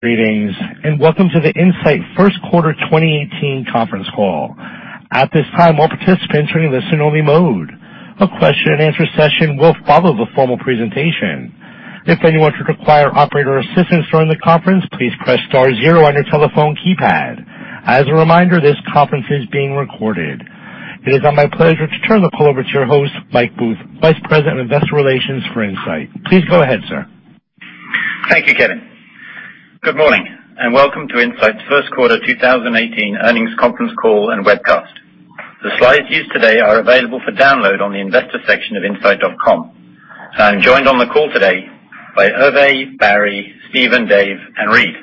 Greetings, welcome to the Incyte first quarter 2018 conference call. At this time, all participants are in listen-only mode. A question-and-answer session will follow the formal presentation. If anyone should require operator assistance during the conference, please press star zero on your telephone keypad. As a reminder, this conference is being recorded. It is now my pleasure to turn the call over to your host, Michael Booth, Vice President of Investor Relations for Incyte. Please go ahead, sir. Thank you, Kevin. Good morning, welcome to Incyte's first quarter 2018 earnings conference call and webcast. The slides used today are available for download on the investor section of incyte.com. I'm joined on the call today by Hervé, Barry, Steven, Dave, and Reid.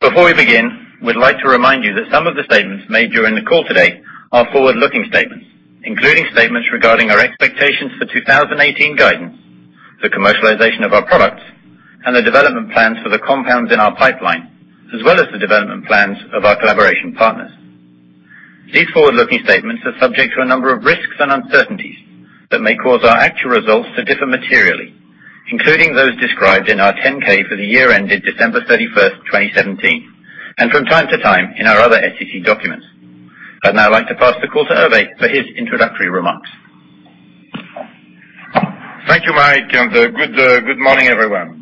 Before we begin, we'd like to remind you that some of the statements made during the call today are forward-looking statements, including statements regarding our expectations for 2018 guidance, the commercialization of our products, and the development plans for the compounds in our pipeline, as well as the development plans of our collaboration partners. These forward-looking statements are subject to a number of risks and uncertainties that may cause our actual results to differ materially, including those described in our 10-K for the year ended December 31st, 2017, and from time to time in our other SEC documents. I'd now like to pass the call to Hervé for his introductory remarks. Thank you, Mike, good morning, everyone.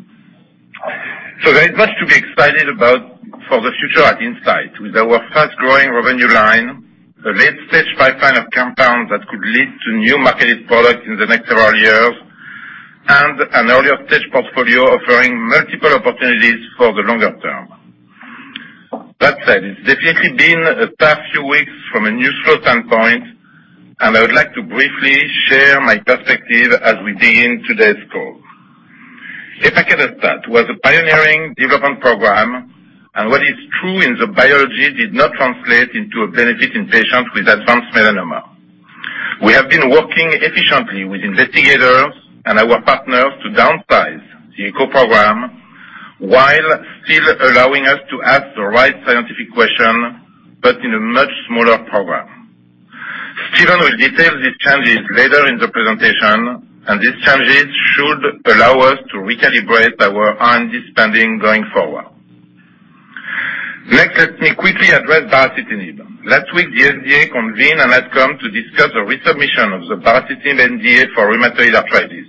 There is much to be excited about for the future at Incyte. With our fast-growing revenue line, a late-stage pipeline of compounds that could lead to new marketed products in the next several years, and an earlier stage portfolio offering multiple opportunities for the longer term. That said, it's definitely been a tough few weeks from a news flow standpoint, and I would like to briefly share my perspective as we begin today's call. epacadostat was a pioneering development program, and what is true in the biology did not translate into a benefit in patients with advanced melanoma. We have been working efficiently with investigators and our partners to downsize the ECHO program while still allowing us to ask the right scientific question, but in a much smaller program. Steven will detail these changes later in the presentation. These changes should allow us to recalibrate our R&D spending going forward. Let me quickly address baricitinib. Last week, the FDA convened an outcome to discuss a resubmission of the baricitinib NDA for rheumatoid arthritis,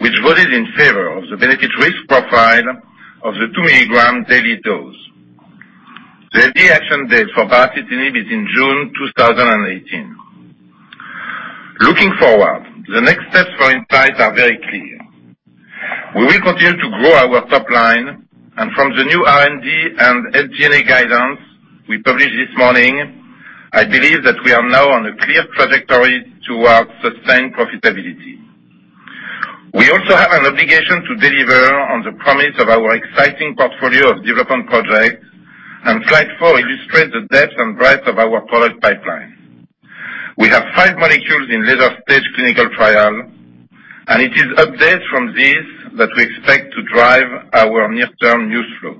which voted in favor of the benefit risk profile of the 2-milligram daily dose. The FDA action date for baricitinib is in June 2018. Looking forward, the next steps for Incyte are very clear. We will continue to grow our top line. From the new R&D and FDA guidance we published this morning, I believe that we are now on a clear trajectory towards sustained profitability. We also have an obligation to deliver on the promise of our exciting portfolio of development projects. Slide four illustrates the depth and breadth of our product pipeline. We have five molecules in later stage clinical trial. It is updates from this that we expect to drive our near-term news flow.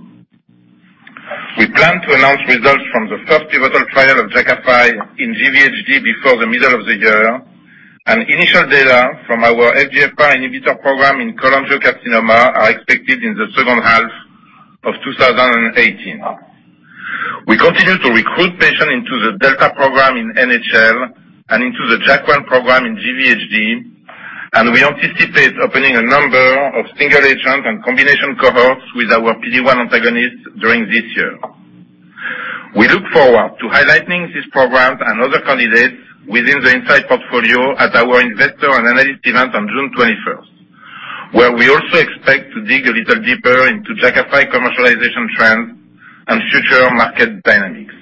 We plan to announce results from the first pivotal trial of Jakafi in GVHD before the middle of the year. Initial data from our FGFR inhibitor program in cholangiocarcinoma are expected in the second half of 2018. We continue to recruit patients into the Delta program in NHL and into the JAK1 program in GVHD. We anticipate opening a number of single-agent and combination cohorts with our PD-1 antagonist during this year. We look forward to highlighting these programs and other candidates within the Incyte portfolio at our investor and analyst event on June 21st, where we also expect to dig a little deeper into Jakafi commercialization trends and future market dynamics.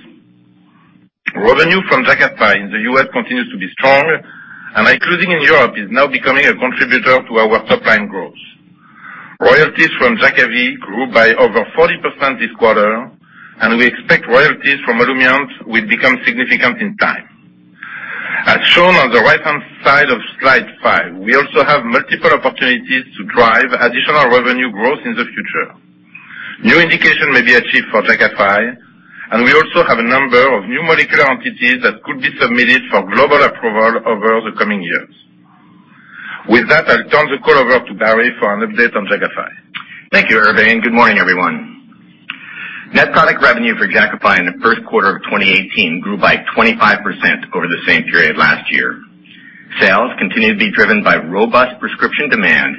Revenue from Jakafi in the U.S. continues to be strong. Excluding in Europe is now becoming a contributor to our top-line growth. Royalties from Jakavi grew by over 40% this quarter. We expect royalties from Olumiant will become significant in time. As shown on the right-hand side of slide five, we also have multiple opportunities to drive additional revenue growth in the future. New indication may be achieved for Jakafi. We also have a number of new molecular entities that could be submitted for global approval over the coming years. With that, I'll turn the call over to Barry for an update on Jakafi. Thank you, Hervé. Good morning, everyone. Net product revenue for Jakafi in the first quarter of 2018 grew by 25% over the same period last year. Sales continue to be driven by robust prescription demand.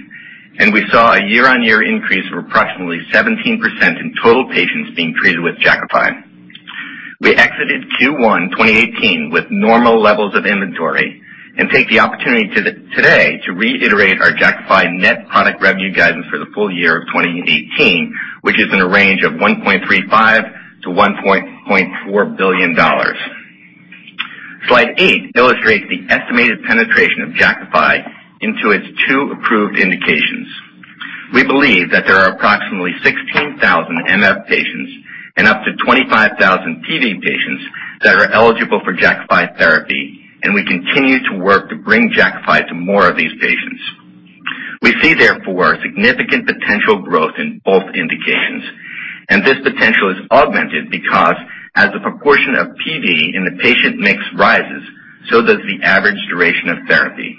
We saw a year-on-year increase of approximately 17% in total patients being treated with Jakafi. We exited Q1 2018 with normal levels of inventory and take the opportunity today to reiterate our Jakafi net product revenue guidance for the full year of 2018, which is in a range of $1.35 billion-$1.4 billion. Slide eight illustrates the estimated penetration of Jakafi into its two approved indications. We believe that there are approximately 16,000 MF patients and up to 25,000 PV patients that are eligible for Jakafi therapy. We continue to work to bring Jakafi to more of these patients. We see, therefore, significant potential growth in both indications, this potential is augmented because as the proportion of PV in the patient mix rises, so does the average duration of therapy.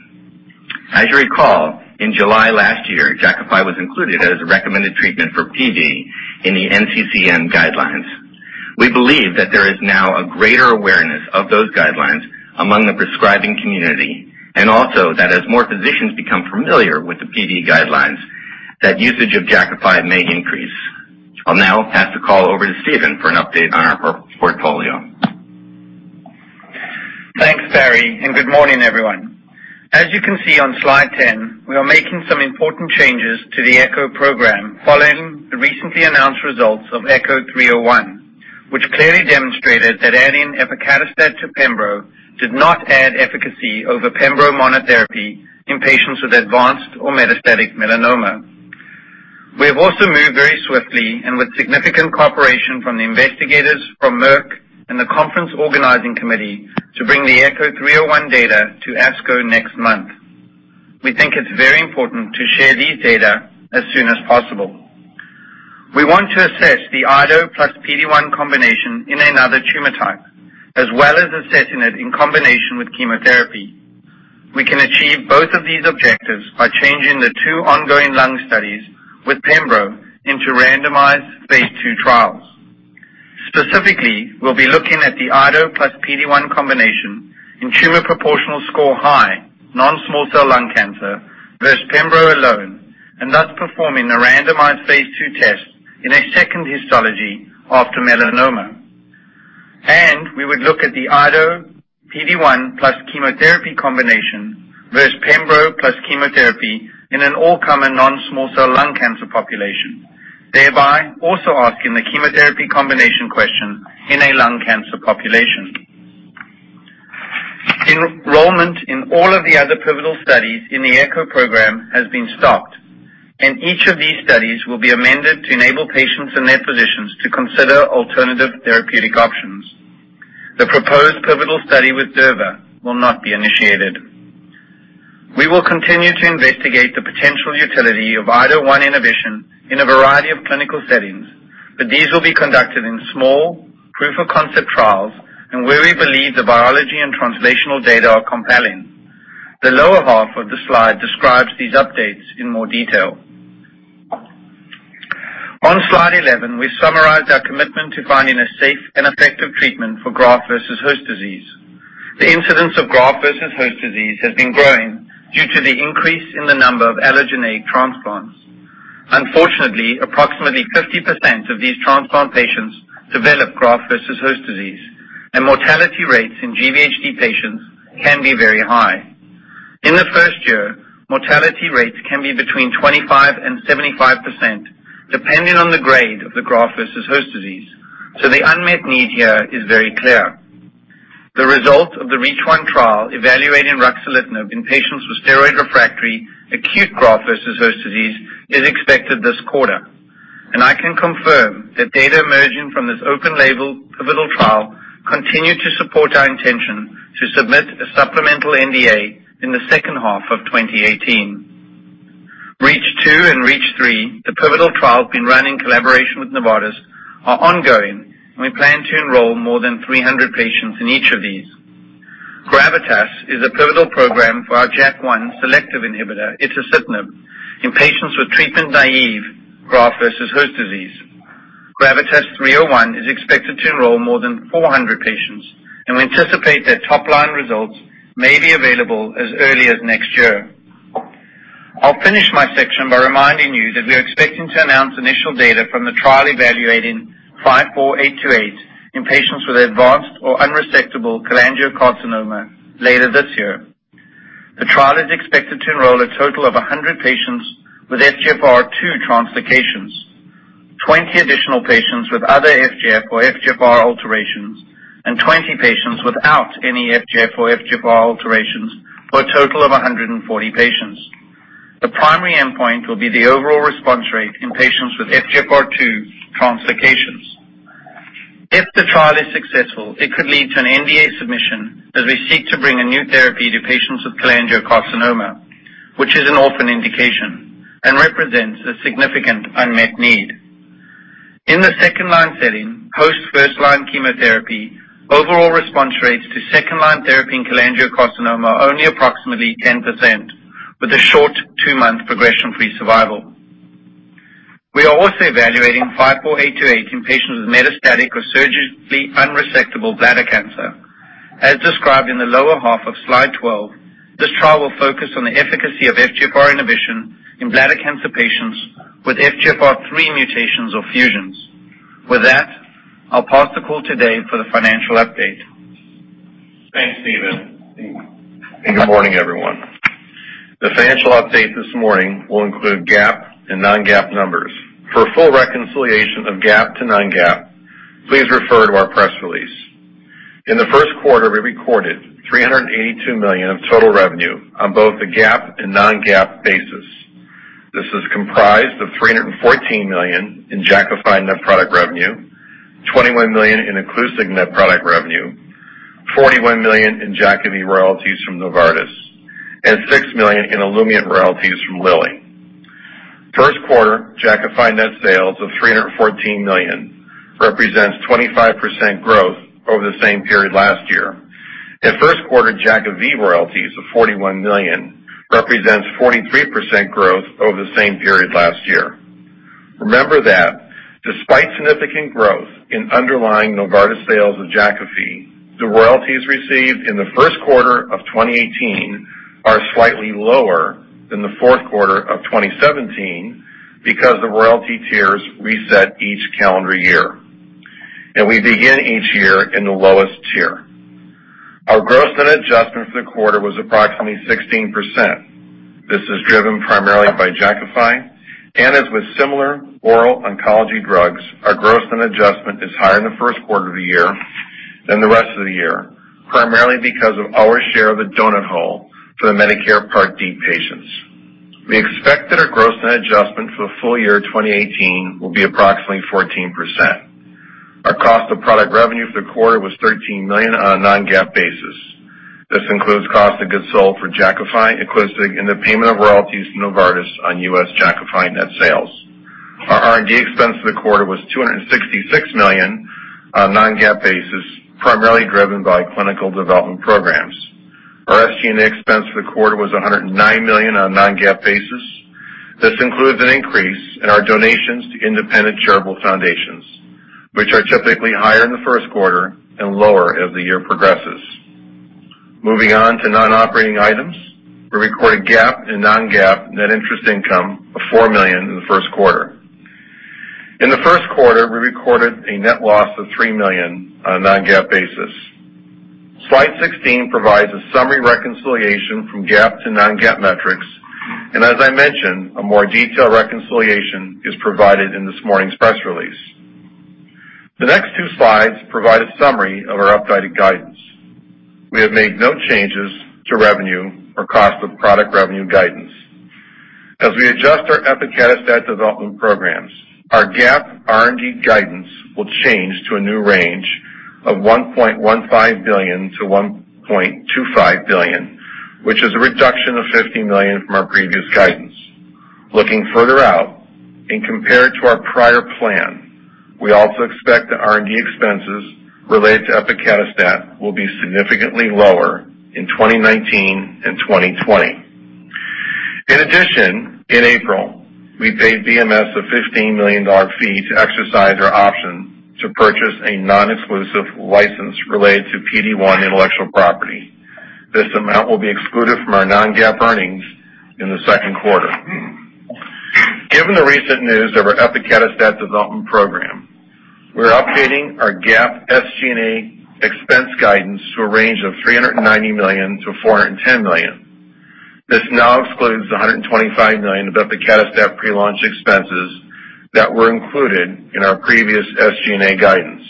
As you recall, in July last year, Jakafi was included as a recommended treatment for PV in the NCCN guidelines. We believe that there is now a greater awareness of those guidelines among the prescribing community, also that as more physicians become familiar with the PV guidelines, that usage of Jakafi may increase. I'll now pass the call over to Steven for an update on our portfolio. Thanks, Barry, good morning, everyone. As you can see on slide 10, we are making some important changes to the ECHO program following the recently announced results of ECHO-301, which clearly demonstrated that adding epacadostat to pembro did not add efficacy over pembro monotherapy in patients with advanced or metastatic melanoma. We have also moved very swiftly with significant cooperation from the investigators from Merck and the conference organizing committee to bring the ECHO-301 data to ASCO next month. We think it's very important to share these data as soon as possible. We want to assess the IDO plus PD-1 combination in another tumor type, as well as assessing it in combination with chemotherapy. We can achieve both of these objectives by changing the two ongoing lung studies with pembro into randomized phase II trials. Specifically, we'll be looking at the IDO plus PD-1 combination in tumor proportion score high, non-small cell lung cancer versus pembro alone, thus performing a randomized phase II test in a second histology after melanoma. We would look at the IDO PD-1 plus chemotherapy combination versus pembro plus chemotherapy in an all-comer non-small cell lung cancer population, thereby also asking the chemotherapy combination question in a lung cancer population. Enrollment in all of the other pivotal studies in the ECHO program has been stopped, each of these studies will be amended to enable patients and their physicians to consider alternative therapeutic options. The proposed pivotal study with durva will not be initiated. We will continue to investigate the potential utility of IDO1 inhibition in a variety of clinical settings, these will be conducted in small proof-of-concept trials where we believe the biology and translational data are compelling. The lower half of the slide describes these updates in more detail. On slide 11, we've summarized our commitment to finding a safe and effective treatment for graft versus host disease. The incidence of graft versus host disease has been growing due to the increase in the number of allogeneic transplants. Unfortunately, approximately 50% of these transplant patients develop graft versus host disease, mortality rates in GVHD patients can be very high. In the first year, mortality rates can be between 25% and 75%, depending on the grade of the graft versus host disease, the unmet need here is very clear. The result of the REACH-1 trial evaluating ruxolitinib in patients with steroid-refractory acute graft-versus-host disease is expected this quarter. I can confirm that data emerging from this open label pivotal trial continue to support our intention to submit a supplemental NDA in the second half of 2018. REACH-2 and REACH-3, the pivotal trials being run in collaboration with Novartis, are ongoing. We plan to enroll more than 300 patients in each of these. GRAVITAS is a pivotal program for our JAK1 selective inhibitor, itacitinib, in patients with treatment-naive graft-versus-host disease. GRAVITAS 301 is expected to enroll more than 400 patients. We anticipate that top-line results may be available as early as next year. I'll finish my section by reminding you that we're expecting to announce initial data from the trial evaluating five four eight two eight in patients with advanced or unresectable cholangiocarcinoma later this year. The trial is expected to enroll a total of 100 patients with FGFR2 translocations, 20 additional patients with other FGF or FGFR alterations, and 20 patients without any FGF or FGFR alterations for a total of 140 patients. The primary endpoint will be the overall response rate in patients with FGFR2 translocations. If the trial is successful, it could lead to an NDA submission as we seek to bring a new therapy to patients with cholangiocarcinoma, which is an orphan indication. It represents a significant unmet need. In the second-line setting, post first-line chemotherapy, overall response rates to second-line therapy in cholangiocarcinoma are only approximately 10% with a short two-month progression-free survival. We are also evaluating five four eight two eight in patients with metastatic or surgically unresectable bladder cancer. As described in the lower half of slide 12, this trial will focus on the efficacy of FGFR inhibition in bladder cancer patients with FGFR3 mutations or fusions. With that, I'll pass the call today for the financial update. Thanks, Steven. Good morning, everyone. The financial update this morning will include GAAP and non-GAAP numbers. For a full reconciliation of GAAP to non-GAAP, please refer to our press release. In the first quarter, we recorded $382 million of total revenue on both the GAAP and non-GAAP basis. This is comprised of $314 million in Jakafi net product revenue, $21 million in Iclusig net product revenue, $41 million in Jakavi royalties from Novartis, and $6 million in Olumiant royalties from Lilly. First quarter Jakafi net sales of $314 million represents 25% growth over the same period last year. In first quarter, Jakavi royalties of $41 million represents 43% growth over the same period last year. Remember that despite significant growth in underlying Novartis sales of Jakafi, the royalties received in the first quarter of 2018 are slightly lower than the fourth quarter of 2017, because the royalty tiers reset each calendar year. We begin each year in the lowest tier. Our gross net adjustment for the quarter was approximately 16%. This is driven primarily by Jakafi and as with similar oral oncology drugs, our gross net adjustment is higher in the first quarter of the year than the rest of the year, primarily because of our share of the Medicare Part D patients. We expect that our gross net adjustment for the full year 2018 will be approximately 14%. Our cost of product revenue for the quarter was $13 million on a non-GAAP basis. This includes cost of goods sold for Jakafi, Iclusig, and the payment of royalties to Novartis on U.S. Jakafi net sales. Our R&D expense for the quarter was $266 million on a non-GAAP basis, primarily driven by clinical development programs. Our SG&A expense for the quarter was $109 million on a non-GAAP basis. This includes an increase in our donations to independent charitable foundations, which are typically higher in the first quarter and lower as the year progresses. Moving on to non-operating items, we recorded GAAP and non-GAAP net interest income of $4 million in the first quarter. In the first quarter, we recorded a net loss of $3 million on a non-GAAP basis. Slide 16 provides a summary reconciliation from GAAP to non-GAAP metrics. As I mentioned, a more detailed reconciliation is provided in this morning's press release. The next two slides provide a summary of our updated guidance. We have made no changes to revenue or cost of product revenue guidance. As we adjust our epacadostat development programs, our GAAP R&D guidance will change to a new range of $1.15 billion-$1.25 billion, which is a reduction of $50 million from our previous guidance. Looking further out and compared to our prior plan, we also expect that R&D expenses related to epacadostat will be significantly lower in 2019 and 2020. In addition, in April, we paid BMS a $15 million fee to exercise our option to purchase a non-exclusive license related to PD-1 intellectual property. This amount will be excluded from our non-GAAP earnings in the second quarter. Given the recent news of our epacadostat development program, we're updating our GAAP SG&A expense guidance to a range of $390 million-$410 million. This now excludes the $125 million of epacadostat pre-launch expenses that were included in our previous SG&A guidance.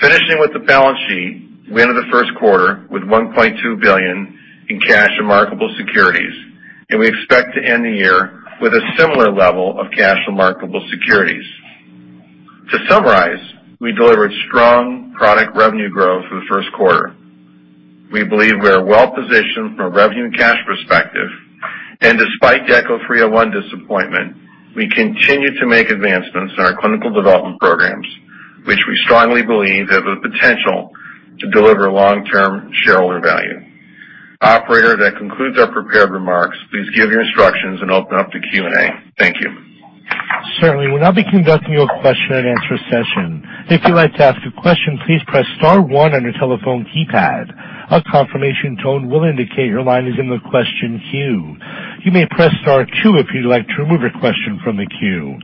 Finishing with the balance sheet, we ended the first quarter with $1.2 billion in cash and marketable securities, and we expect to end the year with a similar level of cash and marketable securities. To summarize, we delivered strong product revenue growth for the first quarter. We believe we are well-positioned from a revenue and cash perspective. Despite ECHO-301 disappointment, we continue to make advancements in our clinical development programs, which we strongly believe have the potential to deliver long-term shareholder value. Operator, that concludes our prepared remarks. Please give your instructions and open up to Q&A. Thank you. Certainly. We'll now be conducting your question and answer session. If you'd like to ask a question, please press star one on your telephone keypad. A confirmation tone will indicate your line is in the question queue. You may press star two if you'd like to remove your question from the queue.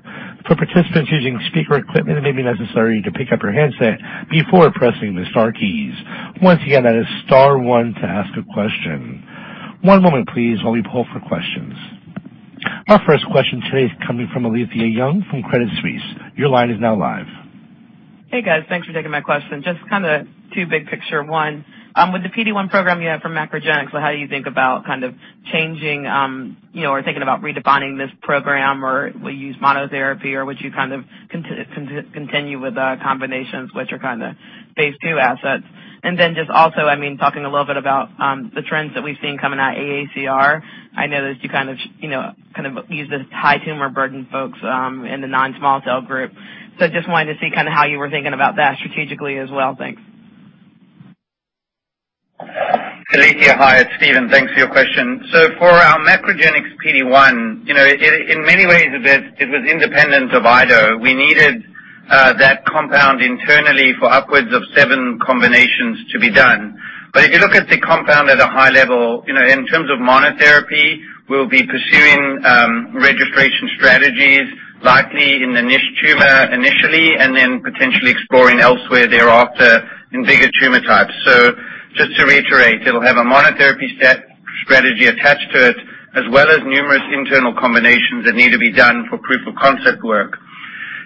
For participants using speaker equipment, it may be necessary to pick up your handset before pressing the star keys. Once again, that is star one to ask a question. One moment please while we poll for questions. Our first question today is coming from Alethia Young from Credit Suisse. Your line is now live. Hey, guys. Thanks for taking my question. Just kind of two big picture. One, with the PD-1 program you have from MacroGenics, how do you think about kind of changing or thinking about redefining this program? Or will you use monotherapy or would you kind of continue with the combinations, which are kind of phase II assets? Just also, talking a little bit about the trends that we've seen coming out of AACR. I know that you kind of use the high tumor burden folks in the non-small cell group. So just wanted to see how you were thinking about that strategically as well. Thanks. Alethia. Hi, it's Steven. Thanks for your question. For our MacroGenics PD-1, in many ways it was independent of IDO1. We needed that compound internally for upwards of seven combinations to be done. If you look at the compound at a high level, in terms of monotherapy, we'll be pursuing registration strategies likely in the niche tumor initially and then potentially exploring elsewhere thereafter in bigger tumor types. Just to reiterate, it'll have a monotherapy strategy attached to it as well as numerous internal combinations that need to be done for proof of concept work.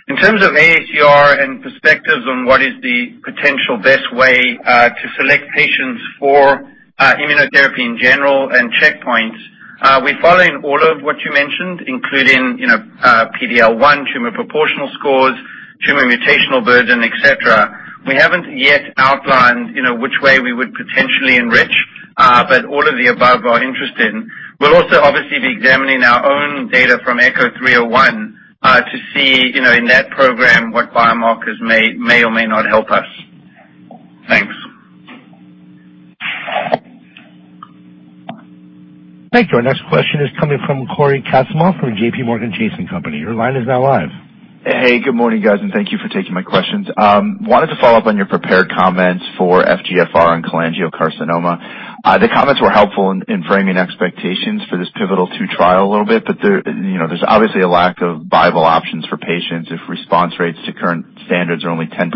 In terms of AACR and perspectives on what is the potential best way to select patients for immunotherapy in general and checkpoints, we're following all of what you mentioned, including PD-L1, tumor proportion scores, tumor mutational burden, et cetera. We haven't yet outlined which way we would potentially enrich All of the above are interested. We will also obviously be examining our own data from ECHO-301 to see, in that program, what biomarkers may or may not help us. Thanks. Thank you. Our next question is coming from Cory Kasimov from JPMorgan Chase & Co. Your line is now live. Hey, good morning, guys, and thank you for taking my questions. Wanted to follow up on your prepared comments for FGFR and cholangiocarcinoma. The comments were helpful in framing expectations for this pivotal two trial a little bit, there's obviously a lack of viable options for patients if response rates to current standards are only 10%.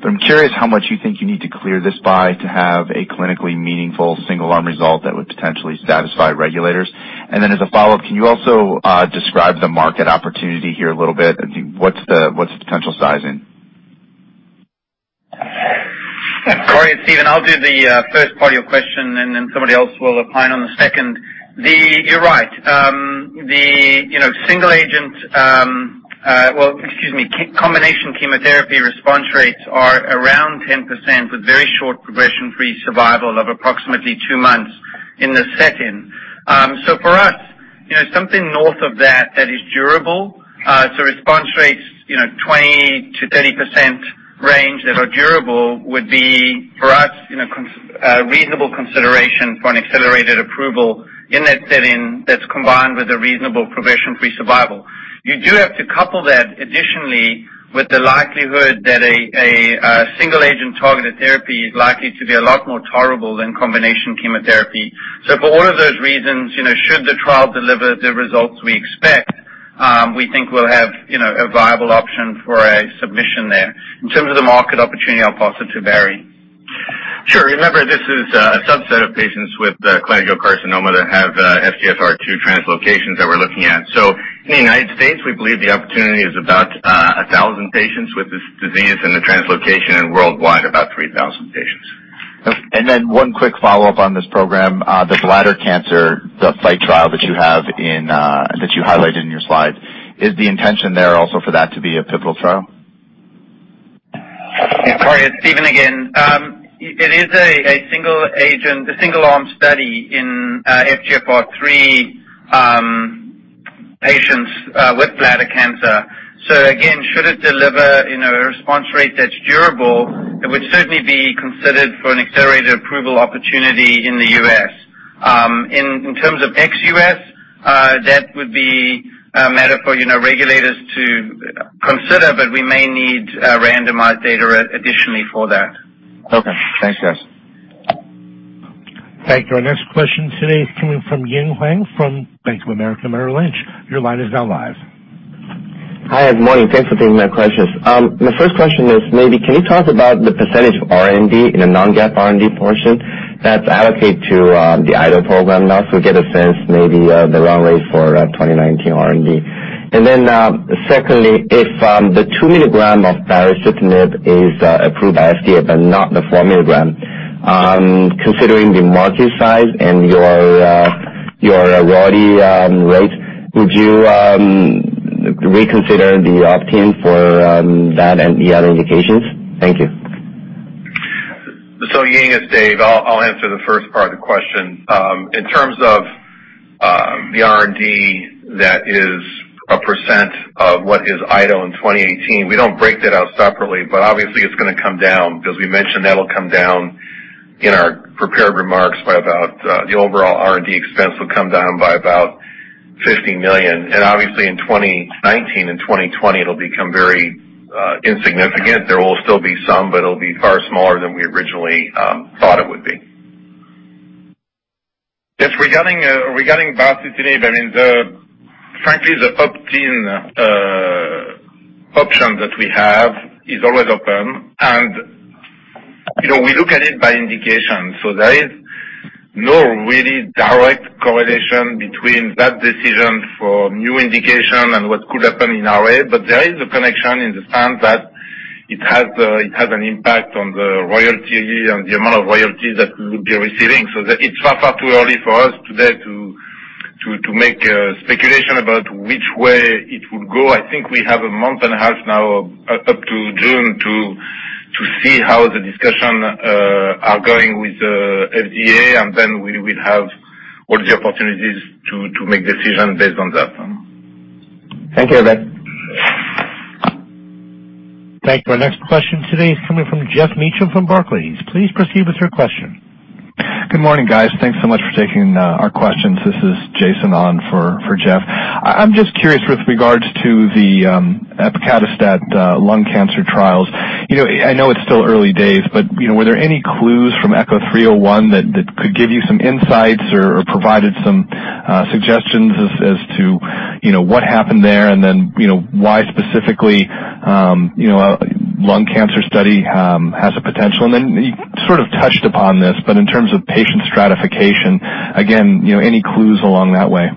I'm curious how much you think you need to clear this by to have a clinically meaningful single arm result that would potentially satisfy regulators. And then as a follow-up, can you also describe the market opportunity here a little bit? What's the potential sizing? Cory, it's Steven. I'll do the first part of your question, and then somebody else will opine on the second. You're right. Combination chemotherapy response rates are around 10% with very short progression-free survival of approximately two months in the second. For us, something north of that is durable, so response rates 20%-30% range that are durable would be, for us, reasonable consideration for an accelerated approval in that setting that's combined with a reasonable progression-free survival. You do have to couple that additionally with the likelihood that a single-agent targeted therapy is likely to be a lot more tolerable than combination chemotherapy. For all of those reasons, should the trial deliver the results we expect, we think we'll have a viable option for a submission there. In terms of the market opportunity, I'll pass it to Barry. Sure. Remember, this is a subset of patients with cholangiocarcinoma that have FGFR2 translocations that we're looking at. In the U.S., we believe the opportunity is about 1,000 patients with this disease and the translocation and worldwide, about 3,000 patients. One quick follow-up on this program. The bladder cancer, the FIGHT trial that you have that you highlighted in your slides, is the intention there also for that to be a pivotal trial? Cory, it's Steven again. It is a single-agent, a single-arm study in FGFR3 patients with bladder cancer. Again, should it deliver a response rate that's durable, it would certainly be considered for an accelerated approval opportunity in the U.S. In terms of ex-U.S., that would be a matter for regulators to consider, but we may need randomized data additionally for that. Okay. Thanks, guys. Thank you. Our next question today is coming from Ying Huang from Bank of America Merrill Lynch. Your line is now live. Hi, good morning. Thanks for taking my questions. My first question is maybe can you talk about the percentage of R&D in a non-GAAP R&D portion that's allocated to the IDO program now, so we get a sense maybe the run rate for 2019 R&D. Secondly, if the two milligram of baricitinib is approved by FDA but not the four milligram, considering the market size and your royalty rates, would you reconsider the opt-in for that and the other indications? Thank you. Ying, it's Dave. I'll answer the first part of the question. In terms of the R&D that is a % of what is IDO in 2018, we don't break that out separately, but obviously it's going to come down because we mentioned that'll come down in our prepared remarks by about the overall R&D expense will come down by about $50 million. Obviously in 2019 and 2020, it'll become very insignificant. There will still be some, but it'll be far smaller than we originally thought it would be. Yes, regarding baricitinib, frankly, the opt-in option that we have is always open, and we look at it by indication. There is no really direct correlation between that decision for new indication and what could happen in our way. There is a connection in the sense that it has an impact on the royalty and the amount of royalties that we would be receiving. It's far too early for us today to make a speculation about which way it would go. I think we have a month and a half now up to June to see how the discussion are going with FDA, we will have all the opportunities to make decisions based on that. Thank you, guys. Thank you. Our next question today is coming from Geoff Meacham from Barclays. Please proceed with your question. Good morning, guys. Thanks so much for taking our questions. This is Jason on for Geoff. I'm just curious with regards to the epacadostat lung cancer trials. I know it's still early days, but were there any clues from ECHO-301 that could give you some insights or provided some suggestions as to what happened there, and then why specifically lung cancer study has a potential? In terms of patient stratification, again, any clues along that way?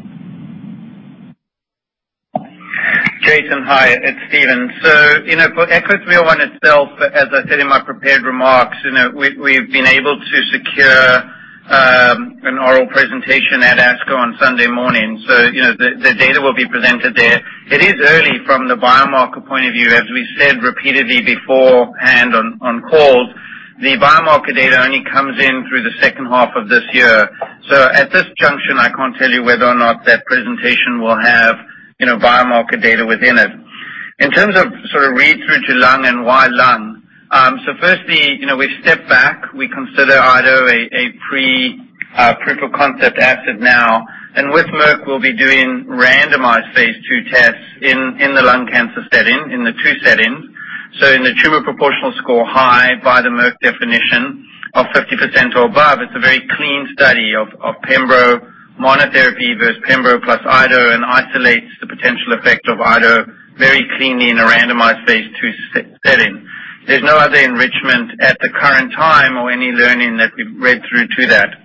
Jason, hi. It's Steven. For ECHO-301 itself, as I said in my prepared remarks, we've been able to secure an oral presentation at ASCO on Sunday morning. The data will be presented there. It is early from the biomarker point of view, as we said repeatedly beforehand on calls. The biomarker data only comes in through the second half of this year. At this juncture, I can't tell you whether or not that presentation will have biomarker data within it. In terms of sort of read through to lung and why lung. Firstly, we've stepped back. We consider IDO a pre-proof-of-concept asset now, and with Merck, we'll be doing randomized phase II tests in the lung cancer setting, in the two settings. In the tumor proportion score high by the Merck definition of 50% or above, it's a very clean study of pembro monotherapy versus pembro plus IDO and isolates the potential effect of IDO very cleanly in a randomized phase II setting. There's no other enrichment at the current time or any learning that we've read through to that.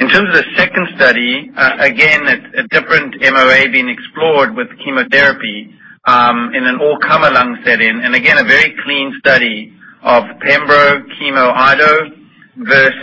In terms of the second study, again, it's a different MOA being explored with chemotherapy in an all-comer lung setting. Again, a very clean study of pembro chemo IDO versus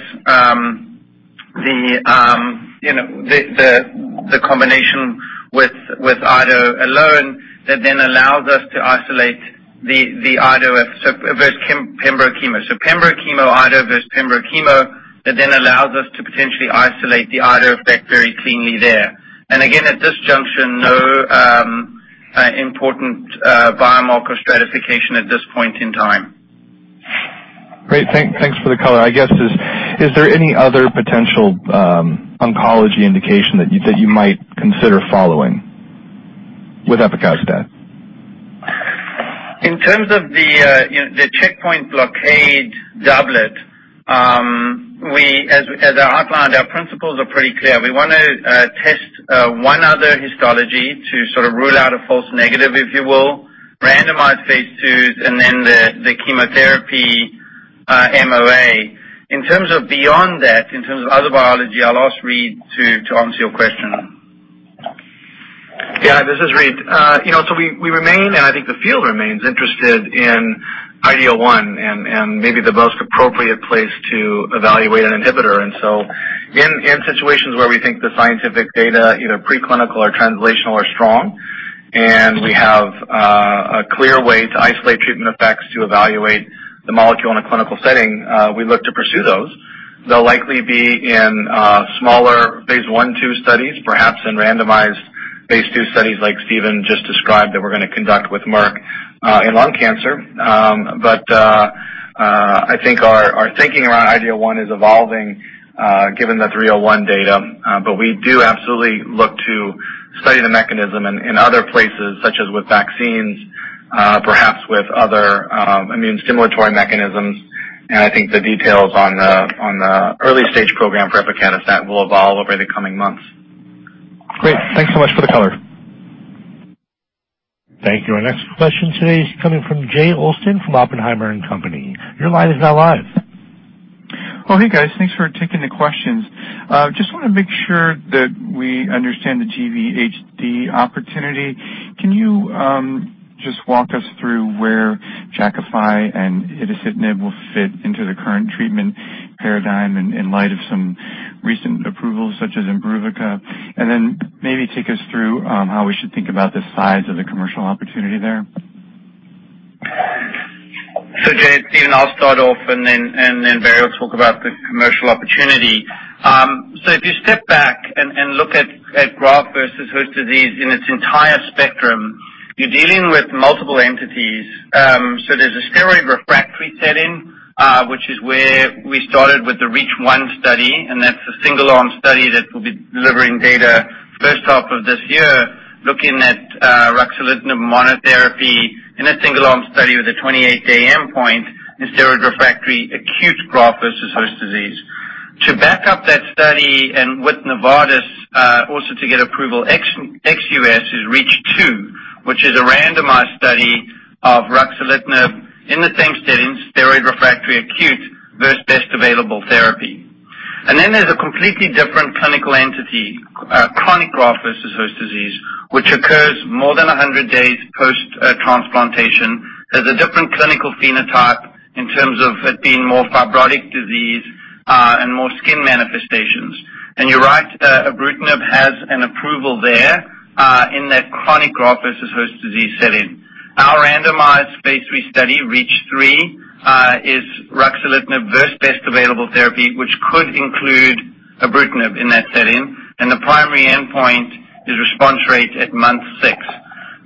the combination with IDO alone that then allows us to isolate the IDO versus pembro chemo. pembro chemo IDO versus pembro chemo that then allows us to potentially isolate the IDO effect very cleanly there. Again, at this juncture, no important biomarker stratification at this point in time. Great. Thanks for the color. I guess, is there any other potential oncology indication that you might consider following with epacadostat? In terms of the checkpoint blockade doublet, as I outlined, our principles are pretty clear. We want to test one other histology to sort of rule out a false negative, if you will, randomized phase IIs and then the chemotherapy MOA. In terms of beyond that, in terms of other biology, I'll ask Reid to answer your question. Yeah, this is Reid. We remain, and I think the field remains interested in IDO1 and maybe the most appropriate place to evaluate an inhibitor. In situations where we think the scientific data, either pre-clinical or translational are strong, and we have a clear way to isolate treatment effects to evaluate the molecule in a clinical setting, we look to pursue those. They'll likely be in smaller phase I, II studies, perhaps in randomized phase II studies like Steven just described that we're going to conduct with Merck in lung cancer. I think our thinking around IDO1 is evolving given the 301 data. We do absolutely look to study the mechanism in other places, such as with vaccines, perhaps with other immune stimulatory mechanisms. I think the details on the early-stage program for epacadostat will evolve over the coming months. Great. Thanks so much for the color. Thank you. Our next question today is coming from Jay Olson from Oppenheimer & Co. Inc. Your line is now live. Hey guys. Thanks for taking the questions. Just want to make sure that we understand the GVHD opportunity. Can you just walk us through where Jakafi and itacitinib will fit into the current treatment paradigm in light of some recent approvals such as IMBRUVICA? Then maybe take us through how we should think about the size of the commercial opportunity there. Jay, Steven, I'll start off, and then Barry will talk about the commercial opportunity. If you step back and look at graft-versus-host disease in its entire spectrum, you're dealing with multiple entities. There's a steroid-refractory setting, which is where we started with the REACH1 study, and that's a single-arm study that will be delivering data first half of this year, looking at ruxolitinib monotherapy in a single-arm study with a 28-day endpoint in steroid-refractory acute graft-versus-host disease. To back up that study and with Novartis also to get approval XUS is REACH2, which is a randomized study of ruxolitinib in the same setting, steroid-refractory acute versus best available therapy. Then there's a completely different clinical entity, chronic graft-versus-host disease, which occurs more than 100 days post-transplantation. There's a different clinical phenotype in terms of it being more fibrotic disease and more skin manifestations. You're right that ibrutinib has an approval there in that chronic graft-versus-host disease setting. Our randomized phase III study, REACH3, is ruxolitinib versus best available therapy, which could include ibrutinib in that setting, and the primary endpoint is response rate at month six.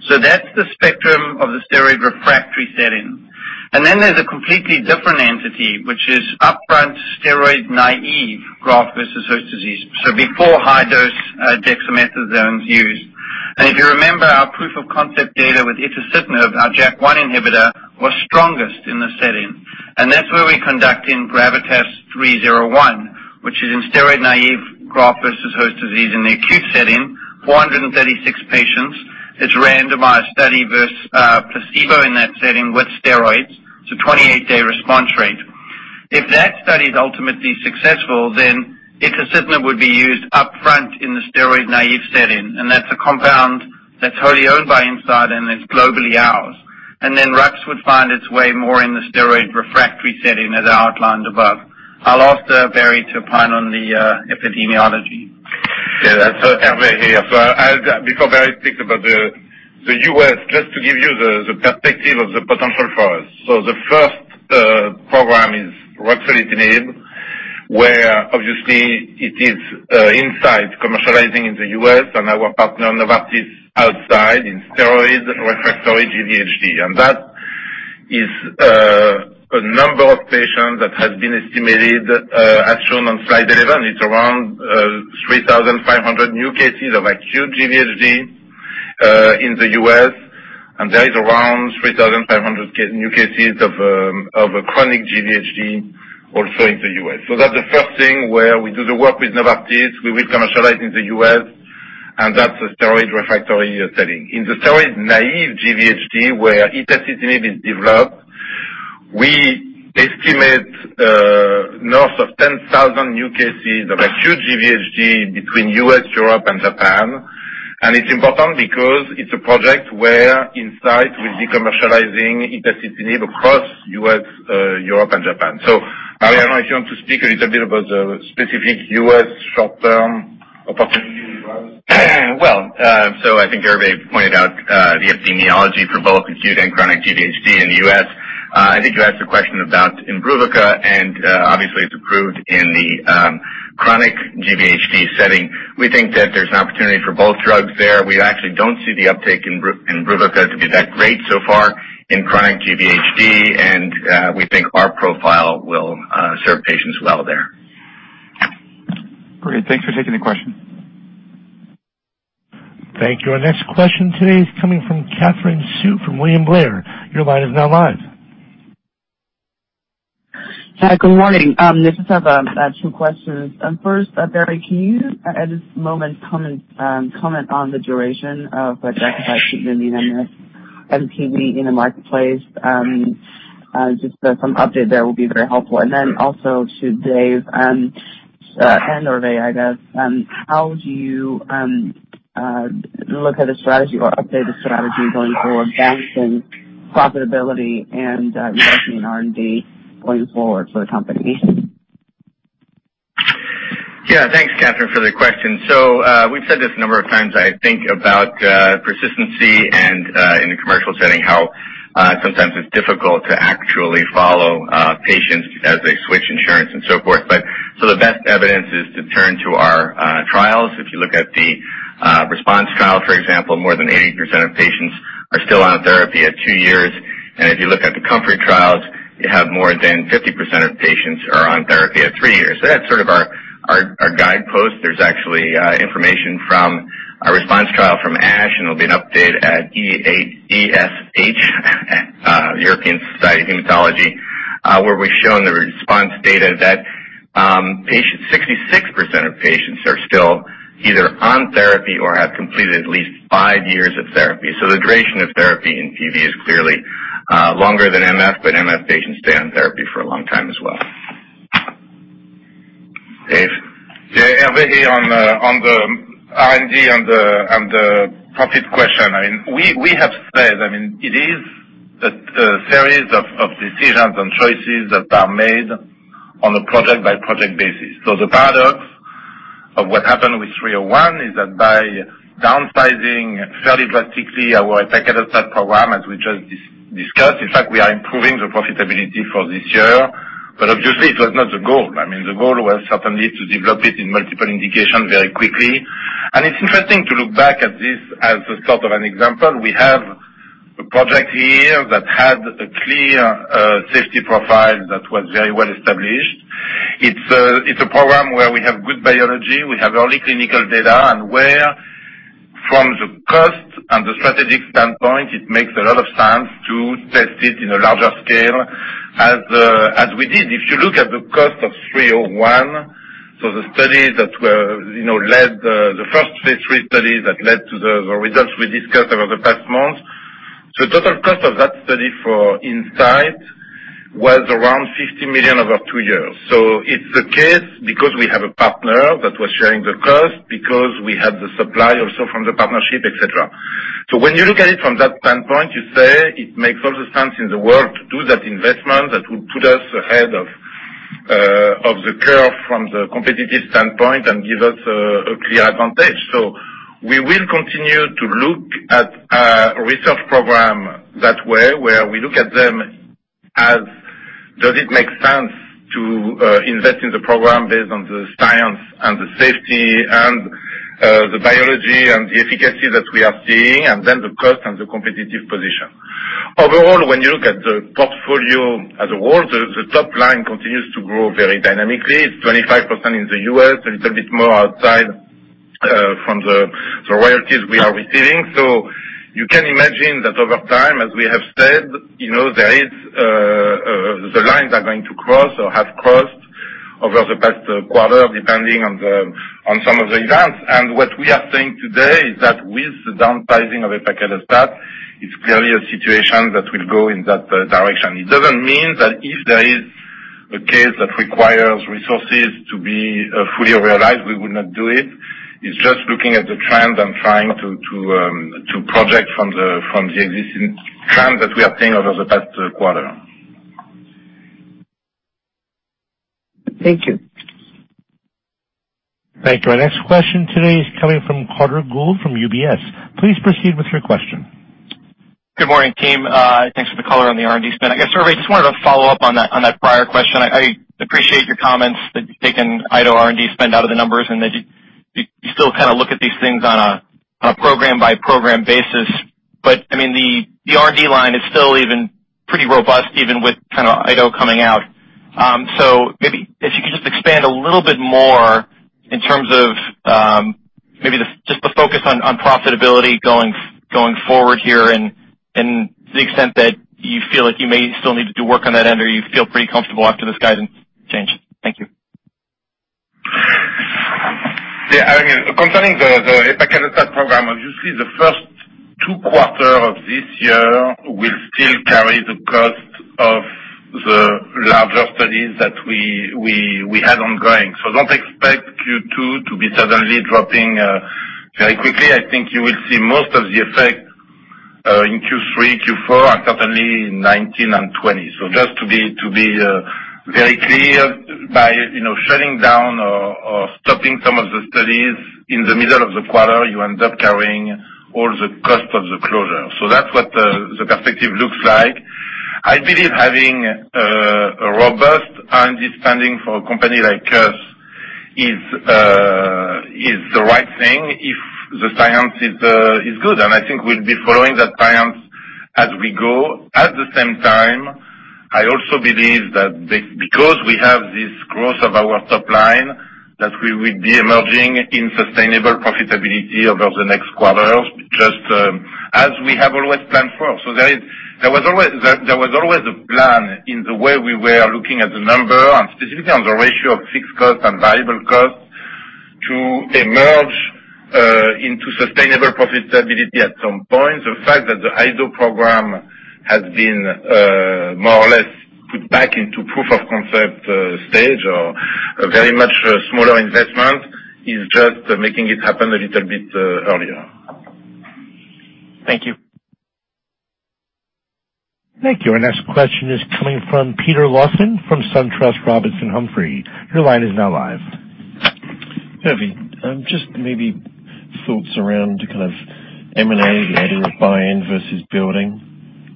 That's the spectrum of the steroid refractory setting. There's a completely different entity, which is upfront steroid-naive graft-versus-host disease. Before high dose dexamethasone is used. If you remember our proof of concept data with itacitinib, our JAK1 inhibitor was strongest in the setting. That's where we're conducting GRAVITAS-301, which is in steroid-naive graft-versus-host disease in the acute setting, 436 patients. It's a randomized study versus placebo in that setting with steroids, it's a 28-day response rate. If that study is ultimately successful, itacitinib would be used upfront in the steroid-naive setting, that's a compound that's wholly owned by Incyte, it's globally ours. RUX would find its way more in the steroid refractory setting as outlined above. I'll ask Barry to opine on the epidemiology. That's Hervé here. Before Barry speaks about the U.S., just to give you the perspective of the potential for us. The first program is ruxolitinib, where obviously it is Incyte commercializing in the U.S. and our partner, Novartis, outside in steroid-refractory GVHD. That is a number of patients that has been estimated as shown on slide 11. It's around 3,500 new cases of acute GVHD in the U.S., there is around 3,500 new cases of chronic GVHD also in the U.S. That's the first thing where we do the work with Novartis. We will commercialize in the U.S., that's the steroid-refractory setting. In the steroid-naive GVHD, where itacitinib is developed, we estimate north of 10,000 new cases of acute GVHD between U.S., Europe, and Japan, it's important because it's a project where Incyte will be commercializing itacitinib across U.S., Europe, and Japan. Barry, I don't know if you want to speak a little bit about the specific U.S. short-term opportunity I think Hervé pointed out the epidemiology for both acute and chronic GVHD in the U.S. I think you asked a question about IMBRUVICA. Obviously, it's approved in the chronic GVHD setting. We think that there's an opportunity for both drugs there. We actually don't see the uptake in IMBRUVICA to be that great so far in chronic GVHD. We think our profile will serve patients well there. Great. Thanks for taking the question. Thank you. Our next question today is coming from Katherine Hsu from William Blair. Your line is now live. Hi, good morning. I just have two questions. First, Barry, can you at this moment comment on the duration of ruxolitinib in the MPN marketplace? Just some update there will be very helpful. Also to Dave and Hervé, I guess. How do you look at a strategy or update the strategy going forward, balancing profitability and investing in R&D going forward for the company? Yeah. Thanks, Katherine, for the question. We have said this a number of times, I think about persistency and in the commercial setting how sometimes it is difficult to actually follow patients as they switch insurance and so forth. The best evidence is to turn to our trials. If you look at the RESPONSE trial, for example, more than 80% of patients are still on therapy at two years, and if you look at the COMFORT trials, you have more than 50% of patients are on therapy at three years. That is sort of our guidepost. There is actually information from our RESPONSE trial from ASH, and there will be an update at EHA, European Hematology Association, where we have shown the response data that 66% of patients are still either on therapy or have completed at least five years of therapy. The duration of therapy in PV is clearly longer than MF, but MF patients stay on therapy for a long time as well. Dave? Yeah. Hervé here. On the R&D and the profit question. We have said, it is a series of decisions and choices that are made on a project-by-project basis. The paradox of what happened with 301 is that by downsizing fairly drastically our epacadostat program, as we just discussed, in fact, we are improving the profitability for this year. But obviously it was not the goal. The goal was certainly to develop it in multiple indications very quickly. And it is interesting to look back at this as a sort of an example. We have a project here that had a clear safety profile that was very well-established. It is a program where we have good biology, we have early clinical data, and where from the cost and the strategic standpoint, it makes a lot of sense to test it in a larger scale as we did. If you look at the cost of 301, the first phase III study that led to the results we discussed over the past month. The total cost of that study for Incyte was around $50 million over two years. It is the case because we have a partner that was sharing the cost, because we had the supply also from the partnership, et cetera. When you look at it from that standpoint, you say it makes all the sense in the world to do that investment that would put us ahead of the curve from the competitive standpoint and give us a clear advantage. We will continue to look at our research program that way, where we look at them as does it make sense to invest in the program based on the science and the safety and the biology and the efficacy that we are seeing, and then the cost and the competitive position. Overall, when you look at the portfolio as a whole, the top line continues to grow very dynamically. It's 25% in the U.S., a little bit more outside from the royalties we are receiving. You can imagine that over time, as we have said, the lines are going to cross or have crossed over the past quarter, depending on some of the events. What we are saying today is that with the downsizing of epacadostat, it's clearly a situation that will go in that direction. It doesn't mean that if there is a case that requires resources to be fully realized, we would not do it. It's just looking at the trend and trying to project from the existing trend that we are seeing over the past quarter. Thank you. Thank you. Our next question today is coming from Carter Gould from UBS. Please proceed with your question. Good morning, team. Thanks for the call on the R&D spend. I guess, Hervé, I just wanted to follow up on that prior question. I appreciate your comments that you've taken IDO R&D spend out of the numbers and that you still look at these things on a program-by-program basis. The R&D line is still even pretty robust, even with IDO coming out. Maybe if you could just expand a little bit more in terms of maybe just the focus on profitability going forward here and to the extent that you feel like you may still need to do work on that end, or you feel pretty comfortable after this guidance change. Thank you. Concerning the epacadostat program, obviously the first two quarters of this year will still carry the cost of the larger studies that we had ongoing. Don't expect Q2 to be suddenly dropping very quickly. I think you will see most of the effect in Q3, Q4, and certainly in 2019 and 2020. Just to be very clear, by shutting down or stopping some of the studies in the middle of the quarter, you end up carrying all the cost of the closure. That's what the perspective looks like. I believe having a robust R&D spending for a company like us is the right thing if the science is good. I think we'll be following that science as we go. At the same time, I also believe that because we have this growth of our top line, that we will be emerging in sustainable profitability over the next quarters, just as we have always planned for. There was always a plan in the way we were looking at the number and specifically on the ratio of fixed cost and variable cost to emerge into sustainable profitability at some point. The fact that the IDO program has been more or less put back into proof of concept stage or a very much smaller investment, is just making it happen a little bit earlier. Thank you. Thank you. Our next question is coming from Peter Lawson from SunTrust Robinson Humphrey. Your line is now live. Hervé, just maybe thoughts around kind of M&A, either buy-in versus building,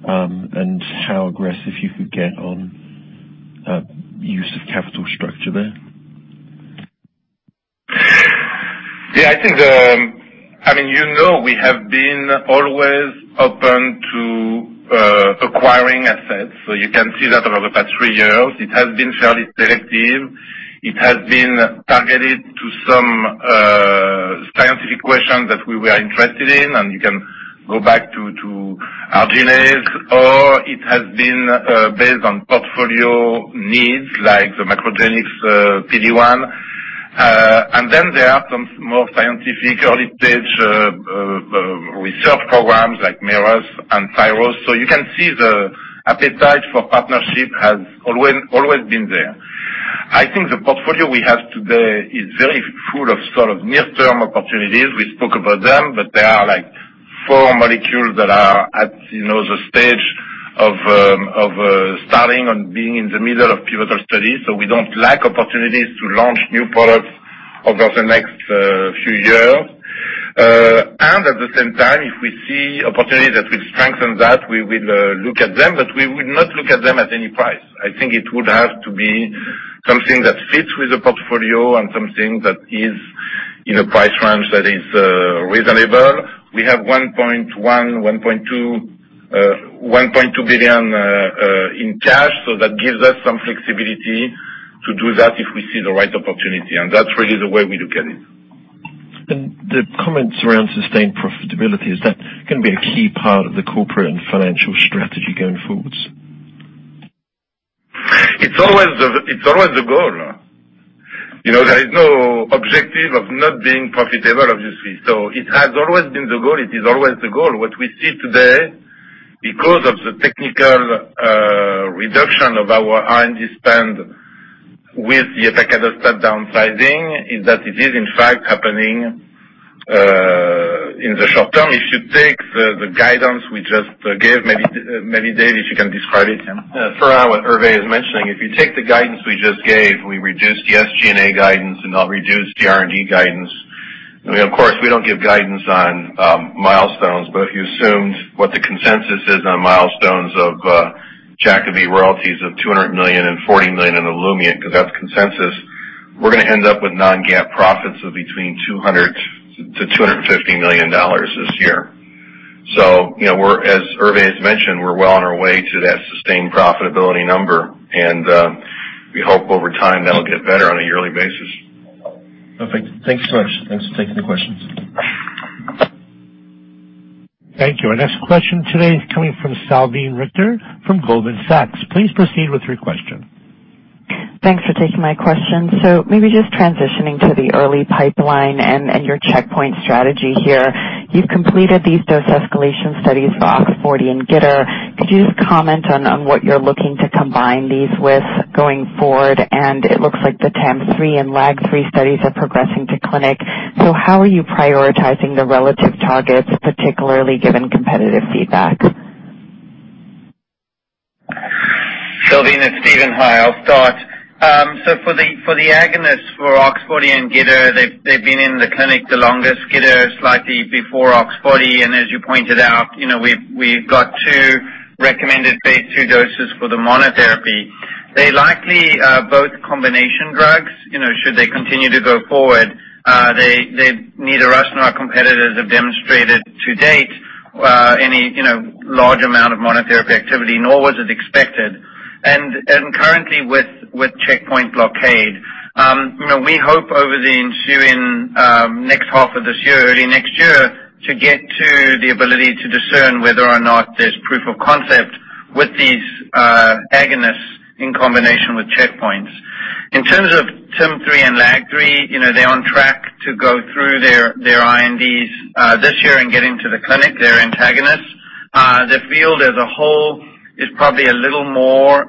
how aggressive you could get on use of capital structure there. You know we have been always open to acquiring assets. You can see that over the past three years, it has been fairly selective. It has been targeted to some scientific questions that we were interested in, and you can go back to Agenus, or it has been based on portfolio needs like the MacroGenics PD-1. Then there are some more scientific early-stage research programs like Merus and Syros. You can see the appetite for partnership has always been there. I think the portfolio we have today is very full of sort of near-term opportunities. We spoke about them, but there are four molecules that are at the stage of starting and being in the middle of pivotal studies. We don't lack opportunities to launch new products over the next few years. At the same time, if we see opportunities that will strengthen that, we will look at them, we will not look at them at any price. I think it would have to be something that fits with the portfolio and something that is in a price range that is reasonable. We have $1.1 billion-$1.2 billion in cash, that gives us some flexibility to do that if we see the right opportunity. That's really the way we look at it. The comments around sustained profitability, is that going to be a key part of the corporate and financial strategy going forward? It's always the goal. There is no objective of not being profitable, obviously. It has always been the goal. It is always the goal. What we see today, because of the technical reduction of our R&D spend with the epacadostat downsizing, is that it is in fact happening in the short term. If you take the guidance we just gave, maybe, Dave, if you can describe it. For what Hervé is mentioning, if you take the guidance we just gave, we reduced the SG&A guidance and now reduced the R&D guidance. Of course, we don't give guidance on milestones, but if you assumed what the consensus is on milestones of Jakavi royalties of $200 million and $40 million in Olumiant, because that's consensus, we're going to end up with non-GAAP profits of between $200 million-$250 million this year. As Hervé has mentioned, we're well on our way to that sustained profitability number. We hope over time that'll get better on a yearly basis. Perfect. Thanks so much. Thanks for taking the questions. Thank you. Our next question today is coming from Salveen Richter from Goldman Sachs. Please proceed with your question. Thanks for taking my question. Maybe just transitioning to the early pipeline and your checkpoint strategy here. You've completed these dose escalation studies for OX40 and GITR. Could you just comment on what you're looking to combine these with going forward? It looks like the TIM-3 and LAG-3 studies are progressing to clinic. How are you prioritizing the relative targets, particularly given competitive feedback? Salveen, it's Steven, hi. I'll start. For the agonists, for OX40 and GITR, they've been in the clinic the longest, GITR slightly before OX40. As you pointed out, we've got two recommended phase II doses for the monotherapy. They likely are both combination drugs, should they continue to go forward. Neither us nor our competitors have demonstrated to date any large amount of monotherapy activity, nor was it expected. Currently with checkpoint blockade, we hope over the ensuing next half of this year, early next year, to get to the ability to discern whether or not there's proof of concept with these agonists in combination with checkpoints. In terms of TIM-3 and LAG-3, they're on track to go through their INDs this year and get into the clinic. They're antagonists. The field as a whole is probably a little more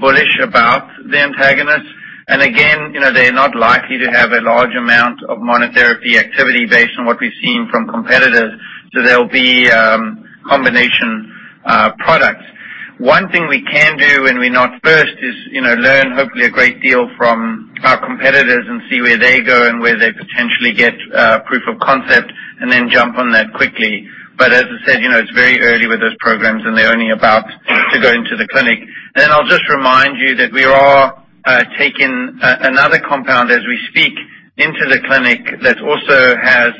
bullish about the antagonists. Again, they're not likely to have a large amount of monotherapy activity based on what we've seen from competitors, so they'll be combination products. One thing we can do when we're not first is learn, hopefully, a great deal from our competitors and see where they go and where they potentially get proof of concept, and then jump on that quickly. As I said, it's very early with those programs and they're only about to go into the clinic. Then I'll just remind you that we are taking another compound as we speak into the clinic that also has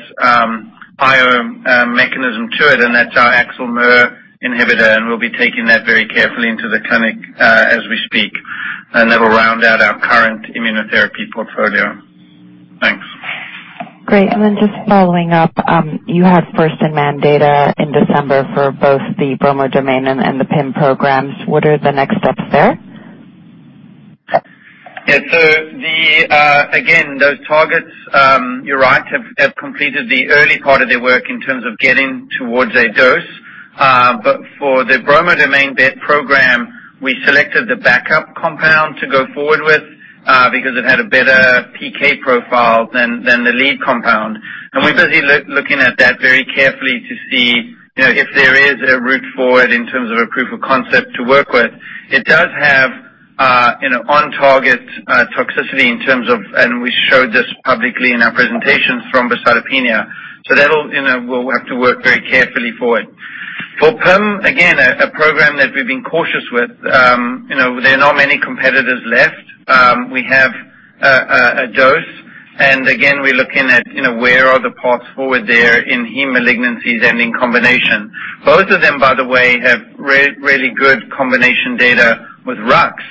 IO mechanism to it, and that's our AXL/Mer inhibitor, and we'll be taking that very carefully into the clinic as we speak. That'll round out our current immunotherapy portfolio. Thanks. Great. Then just following up, you have first-in-man data in December for both the bromodomain and the PIM programs. What are the next steps there? Again, those targets, you're right, have completed the early part of their work in terms of getting towards a dose. For the bromodomain program, we selected the backup compound to go forward with, because it had a better PK profile than the lead compound. We're busy looking at that very carefully to see if there is a route forward in terms of a proof of concept to work with. It does have on-target toxicity in terms of, and we showed this publicly in our presentations, thrombocytopenia. We'll have to work very carefully for it. For PIM, again, a program that we've been cautious with. There are not many competitors left. We have a dose, and again, we're looking at where are the paths forward there in heme malignancies and in combination. Both of them, by the way, have really good combination data with RUX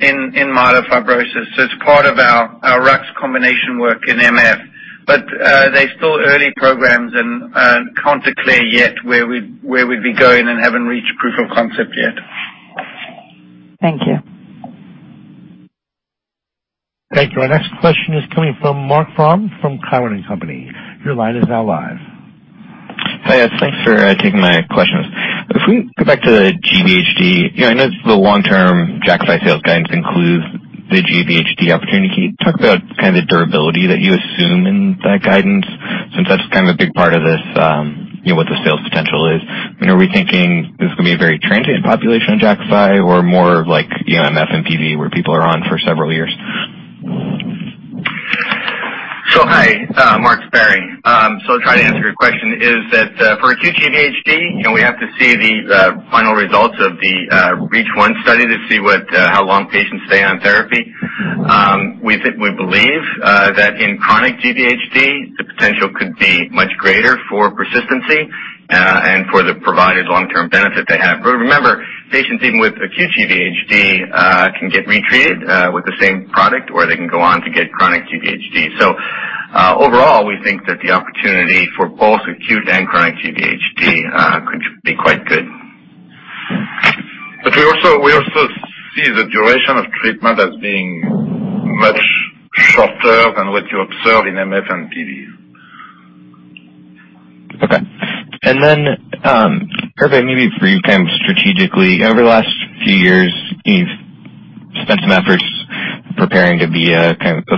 in myelofibrosis, it's part of our RUX combination work in MF. They're still early programs and can't declare yet where we'd be going and haven't reached proof of concept yet. Thank you. Thank you. Our next question is coming from Marc Frahm from Cowen and Company. Your line is now live. Hi, thanks for taking my questions. If we go back to the GVHD, I know the long-term Jakafi sales guidance includes the GVHD opportunity. Can you talk about the durability that you assume in that guidance, since that's a big part of what the sales potential is? Are we thinking this is going to be a very transient population on Jakafi or more like MF and PV where people are on for several years? Hi Marc, it's Barry. I'll try to answer your question, is that for acute GVHD, we have to see the final results of the REACH1 study to see how long patients stay on therapy. We believe that in chronic GVHD, the potential could be much greater for persistency and for the providers long-term benefit they have. Remember, patients even with acute GVHD can get retreated with the same product or they can go on to get chronic GVHD. Overall, we think that the opportunity for both acute and chronic GVHD could be quite good. We also see the duration of treatment as being much shorter than what you observe in MF and PV. Hervé, maybe for you strategically, over the last few years, you've spent some efforts preparing to be a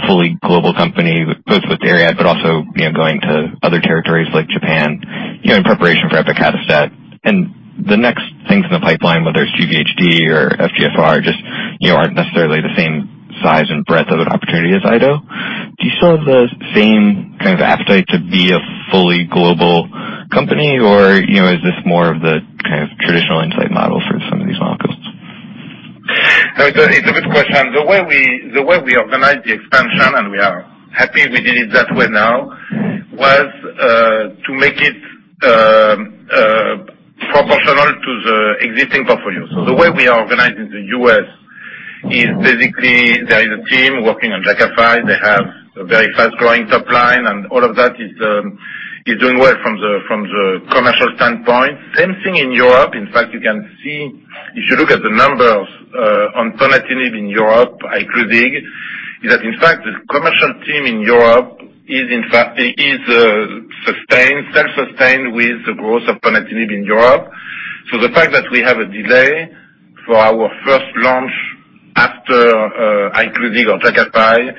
fully global company both with ARIAD, but also going to other territories like Japan in preparation for epacadostat. The next things in the pipeline, whether it's GVHD or FGFR, just aren't necessarily the same size and breadth of an opportunity as IDO. Do you still have the same kind of appetite to be a fully global company or is this more of the kind of traditional Incyte model for some of these molecules? It's a good question. The way we organized the expansion, and we are happy we did it that way now, was to make it proportional to the existing portfolio. The way we are organized in the U.S. is basically there is a team working on Jakafi. They have a very fast-growing top line and all of that is doing well from the commercial standpoint. Same thing in Europe. In fact, you can see if you look at the numbers on ponatinib in Europe, Iclusig, is that in fact, the commercial team in Europe is self-sustained with the growth of ponatinib in Europe. The fact that we have a delay for our first launch after Iclusig or Jakafi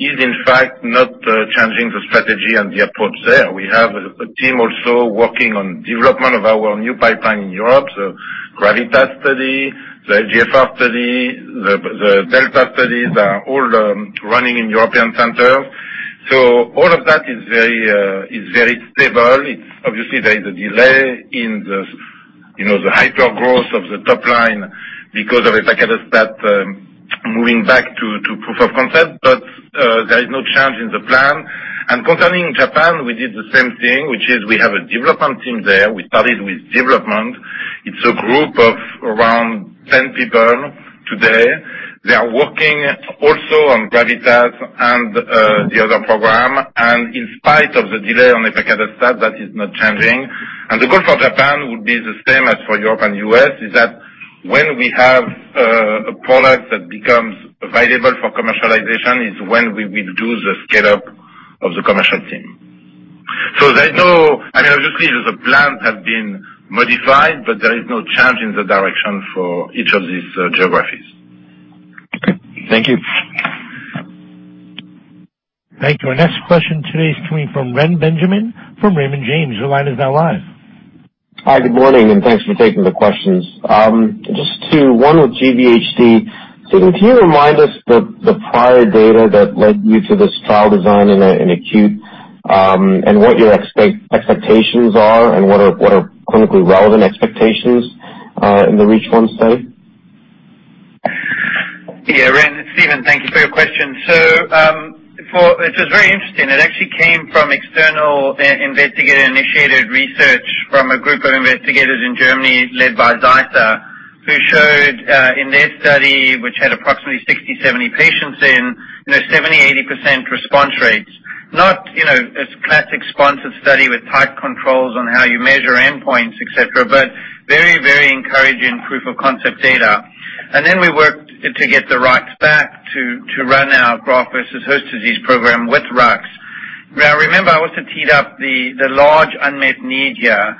is in fact not changing the strategy and the approach there. We have a team also working on development of our new pipeline in Europe. GRAVITAS study, the FGFR study, the PI3K-delta study, they are all running in European centers. All of that is very stable. Obviously, there is a delay in the hyper-growth of the top line because of itacitinib moving back to proof of concept. There is no change in the plan. Concerning Japan, we did the same thing, which is we have a development team there. We started with development. It's a group of around 10 people today. They are working also on GRAVITAS and the other program. In spite of the delay on itacitinib, that is not changing. The goal for Japan would be the same as for Europe and U.S., is that when we have a product that becomes viable for commercialization, is when we will do the scale-up of the commercial team. Obviously, the plans have been modified, there is no change in the direction for each of these geographies. Okay. Thank you. Thank you. Our next question today is coming from Reni Benjamin from Raymond James. Your line is now live. Hi, good morning. Thanks for taking the questions. Just two, one with GVHD. Steven, can you remind us the prior data that led you to this trial design in acute, what your expectations are, what are clinically relevant expectations in the REACH1 study? Yeah, Ren. Steven, thank you for your question. It's very interesting. It actually came from external investigator-initiated research from a group of investigators in Germany led by Zita, who showed in their study, which had approximately 60, 70 patients in, 70%-80% response rates. Not as classic sponsored study with tight controls on how you measure endpoints, et cetera, but very encouraging proof of concept data. Then we worked to get the rights back to run our graft-versus-host disease program with RUX. Remember, I also teed up the large unmet need here.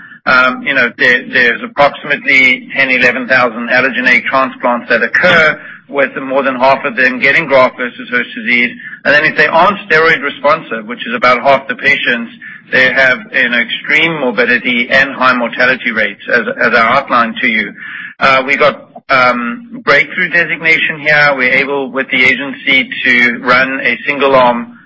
There's approximately 10, 11,000 allogeneic transplants that occur, with more than half of them getting graft-versus-host disease. Then if they aren't steroid responsive, which is about half the patients, they have an extreme morbidity and high mortality rates, as I outlined to you. We got Breakthrough Designation here. We're able, with the agency, to run a single-arm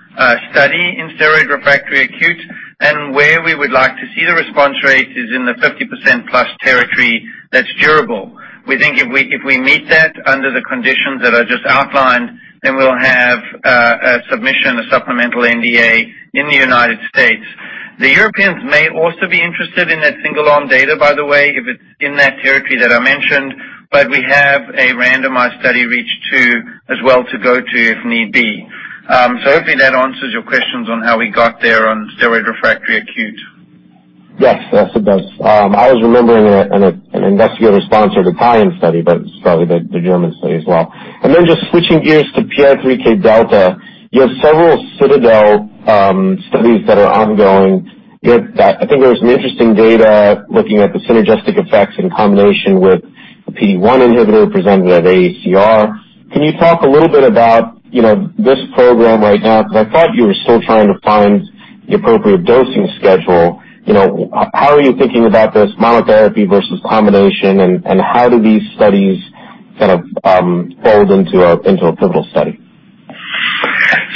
study in steroid refractory acute, and where we would like to see the response rate is in the 50% plus territory that's durable. We think if we meet that under the conditions that I just outlined, then we'll have a submission, a supplemental NDA in the U.S. The Europeans may also be interested in that single-arm data, by the way, if it's in that territory that I mentioned, but we have a randomized study REACH2 as well to go to if need be. Hopefully that answers your questions on how we got there on steroid refractory acute. Yes, it does. I was remembering an investigator-sponsored Italian study, but it's probably the German study as well. Just switching gears to PI3K-delta. You have several CITADEL studies that are ongoing. I think there was some interesting data looking at the synergistic effects in combination with a PD-1 inhibitor presented at AACR. Can you talk a little bit about this program right now? Because I thought you were still trying to find the appropriate dosing schedule. How are you thinking about this monotherapy versus combination, and how do these studies sort of fold into a pivotal study?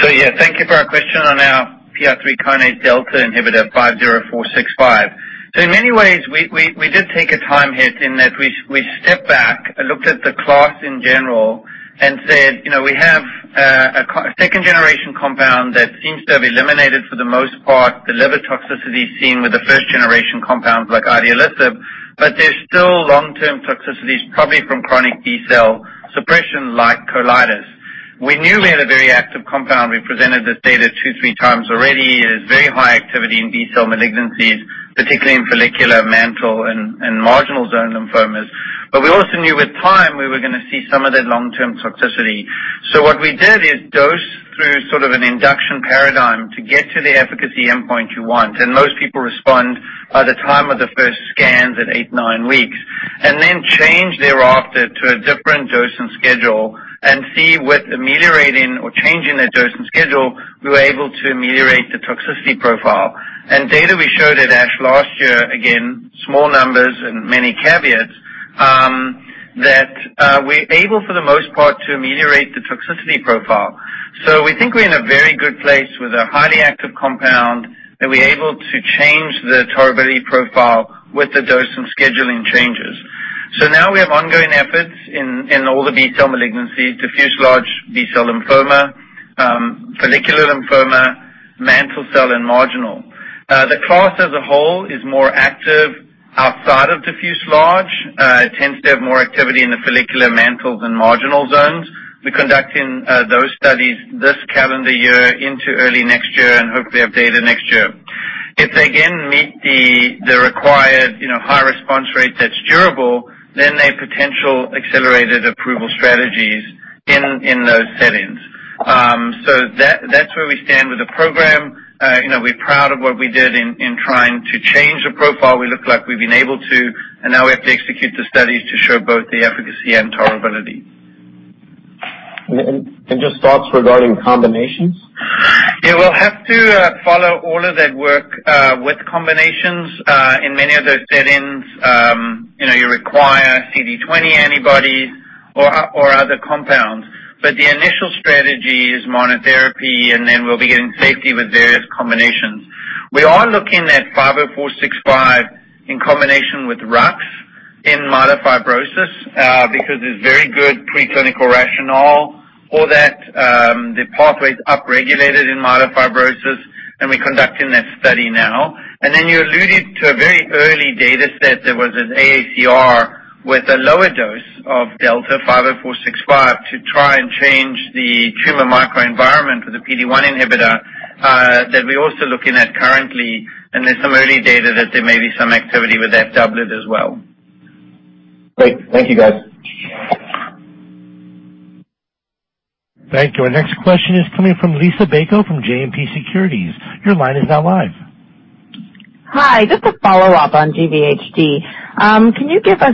Thank you for our question on our PI3 kinase delta inhibitor INCB050465. In many ways, we did take a time hit in that we stepped back and looked at the class in general and said, "We have a second-generation compound that seems to have eliminated, for the most part, the liver toxicity seen with the first-generation compounds like idelalisib, but there's still long-term toxicities, probably from chronic B-cell suppression like colitis." We knew we had a very active compound. We presented this data two, three times already. It has very high activity in B-cell malignancies, particularly in follicular, mantle, and marginal zone lymphomas. We also knew with time we were going to see some of that long-term toxicity. What we did is dose through sort of an induction paradigm to get to the efficacy endpoint you want. Most people respond by the time of the first scans at eight, nine weeks. Change thereafter to a different dosing schedule and see with ameliorating or changing the dosing schedule, we were able to ameliorate the toxicity profile. Data we showed at ASH last year, again, small numbers and many caveats, that we're able, for the most part, to ameliorate the toxicity profile. We think we're in a very good place with a highly active compound that we're able to change the tolerability profile with the dosing scheduling changes. Now we have ongoing efforts in all the B-cell malignancies, diffuse large B-cell lymphoma, follicular lymphoma, mantle cell, and marginal. The class as a whole is more active outside of diffuse large. It tends to have more activity in the follicular mantle than marginal zones. We're conducting those studies this calendar year into early next year and hopefully have data next year. If they again meet the required high response rate that's durable, there are potential accelerated approval strategies in those settings. That's where we stand with the program. We're proud of what we did in trying to change the profile. We look like we've been able to, now we have to execute the studies to show both the efficacy and tolerability. Just thoughts regarding combinations. Yeah. We'll have to follow all of that work with combinations. In many of those settings, you require CD20 antibodies or other compounds, but the initial strategy is monotherapy, and then we'll be getting safety with various combinations. We are looking at 50465 in combination with RUX in myelofibrosis, because there's very good preclinical rationale for that. The pathway is upregulated in myelofibrosis, and we're conducting that study now. You alluded to a very early data set that was at AACR with a lower dose of delta 50465 to try and change the tumor microenvironment with a PD-1 inhibitor that we're also looking at currently, and there's some early data that there may be some activity with that doublet as well. Great. Thank you, guys. Thank you. Our next question is coming from Liisa Bayko from JMP Securities. Your line is now live. Hi. Just a follow-up on GVHD. Can you give us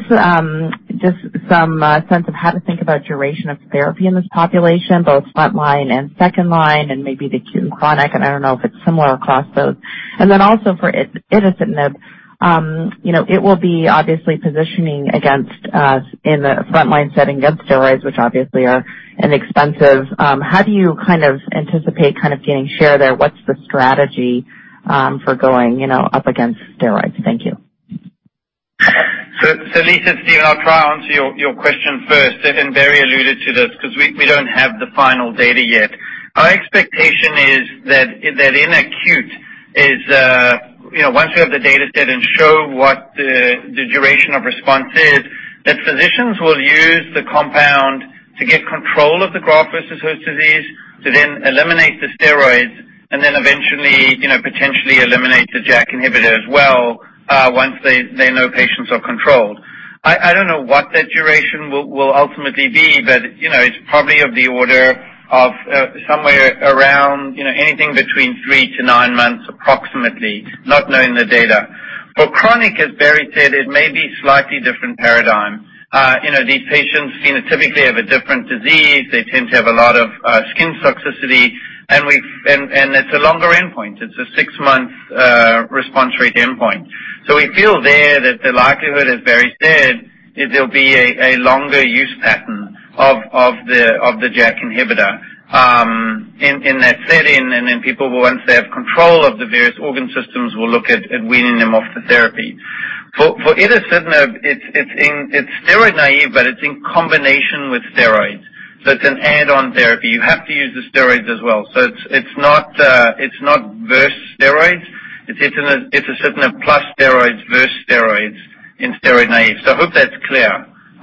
just some sense of how to think about duration of therapy in this population, both front line and second line, and maybe the acute and chronic, and I don't know if it's similar across those. Then also for inotuzumab, it will be obviously positioning against, in the front-line setting, against steroids, which obviously are inexpensive. How do you anticipate getting share there? What's the strategy for going up against steroids? Thank you. Liisa, it's Steven. I'll try to answer your question first, and Barry alluded to this, because we don't have the final data yet. Our expectation is that in acute is, once we have the data set and show what the duration of response is, that physicians will use the compound to get control of the graft versus host disease, to then eliminate the steroids, and then eventually, potentially eliminate the JAK inhibitor as well, once they know patients are controlled. I don't know what that duration will ultimately be, but it's probably of the order of somewhere around anything between 3 to 9 months, approximately, not knowing the data. For chronic, as Barry said, it may be a slightly different paradigm. These patients typically have a different disease. They tend to have a lot of skin toxicity, and it's a longer endpoint. It's a six-month response rate endpoint. We feel there that the likelihood, as Barry said, is there'll be a longer use pattern of the JAK inhibitor in that setting, and then people will, once they have control of the various organ systems will look at weaning them off the therapy. For inotuzumab, it's steroid naive, but it's in combination with steroids, so it's an add-on therapy. You have to use the steroids as well. It's not versus steroids. It's inotuzumab plus steroids versus steroids in steroid naive. I hope that's clear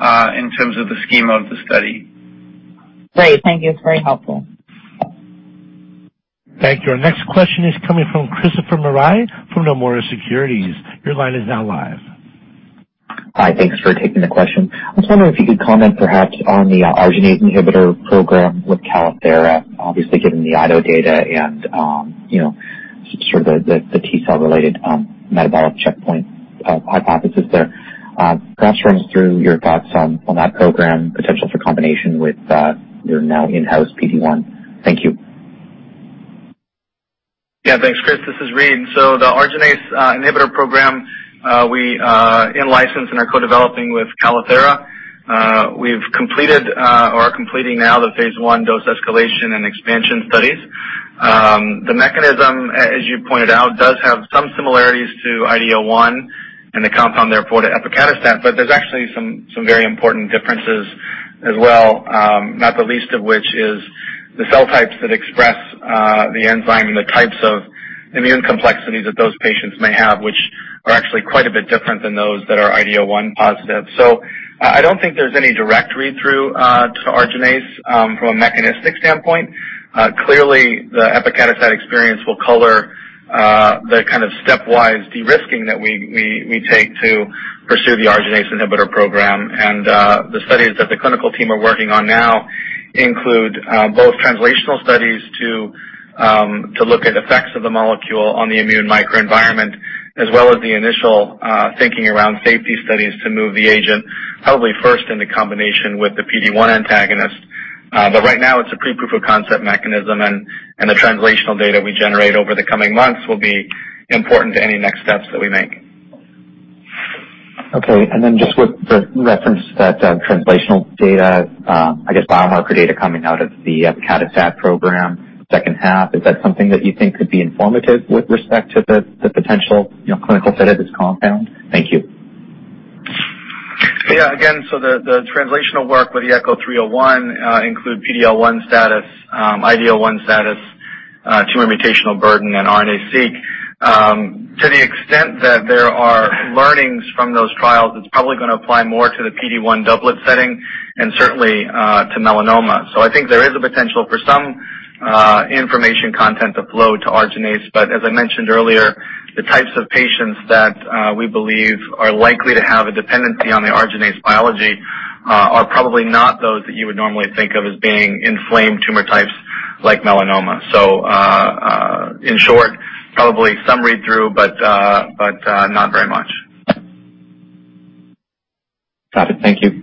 in terms of the scheme of the study. Great. Thank you. It's very helpful. Thank you. Our next question is coming from Christopher Marai from Nomura Securities. Your line is now live. Hi. Thanks for taking the question. I was wondering if you could comment perhaps on the arginase inhibitor program with Calithera, obviously given the IDO data and sort of the T-cell related metabolic checkpoint hypothesis there. Perhaps run us through your thoughts on that program, potential for combination with your now in-house PD-1. Thank you. Thanks, Christopher. This is Reid. The arginase inhibitor program we in-licensed and are co-developing with Calithera. We have completed or are completing now the phase I dose escalation and expansion studies. The mechanism, as you pointed out, does have some similarities to IDO1 and the compound therefore to epacadostat, but there is actually some very important differences as well, not the least of which is the cell types that express the enzyme and the types of immune complexities that those patients may have, which are actually quite a bit different than those that are IDO1 positive. I do not think there is any direct read-through to arginase from a mechanistic standpoint. Clearly, the epacadostat experience will color the kind of stepwise de-risking that we take to pursue the arginase inhibitor program, and the studies that the clinical team are working on now include both translational studies to look at effects of the molecule on the immune microenvironment as well as the initial thinking around safety studies to move the agent probably first into combination with the PD-1 antagonist. Right now it is a pre-proof of concept mechanism, and the translational data we generate over the coming months will be important to any next steps that we make. Okay. Just with the reference to that translational data, I guess biomarker data coming out of the epacadostat program second half, is that something that you think could be informative with respect to the potential clinical fit of this compound? Thank you. Again, the translational work with ECHO-301 include PD-L1 status, IDO1 status, tumor mutational burden, and RNA-seq. To the extent that there are learnings from those trials, it is probably going to apply more to the PD-1 doublet setting and certainly to melanoma. I think there is a potential for some information content to flow to arginase, but as I mentioned earlier, the types of patients that we believe are likely to have a dependency on the arginase biology are probably not those that you would normally think of as being inflamed tumor types like melanoma. In short, probably some read-through, but not very much. Copy. Thank you.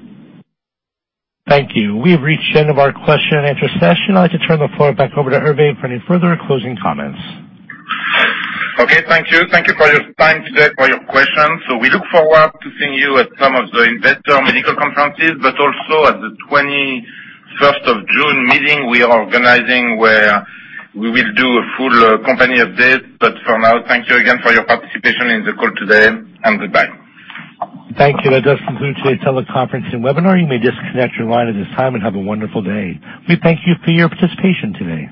Thank you. We have reached the end of our question and answer session. I'd like to turn the floor back over to Hervé for any further closing comments. Okay, thank you. Thank you for your time today, for your questions. We look forward to seeing you at some of the investor medical conferences, but also at the 21st of June meeting we are organizing where we will do a full company update. For now, thank you again for your participation in the call today, and goodbye. Thank you. That does conclude today's teleconference and webinar. You may disconnect your line at this time, and have a wonderful day. We thank you for your participation today.